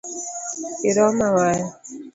Iroma waya